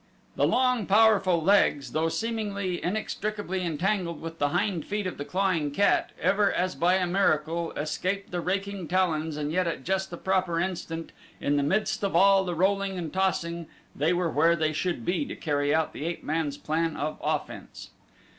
The long, powerful legs, though seemingly inextricably entangled with the hind feet of the clawing cat, ever as by a miracle, escaped the raking talons and yet at just the proper instant in the midst of all the rolling and tossing they were where they should be to carry out the ape man's plan of offense.